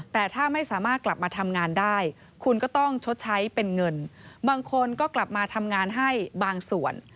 แต่ถ้าไม่สามารถกลับมาทำงานได้คุณก็ต้องชดใช้เป็นเงินบางคนก็กลับมาทำงานให้บางส่วน